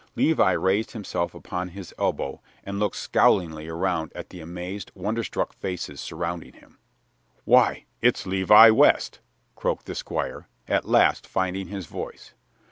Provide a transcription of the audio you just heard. Levi raised himself upon his elbow and looked scowlingly around at the amazed, wonderstruck faces surrounding him. "Why, it's Levi West!" croaked the Squire, at last finding his voice.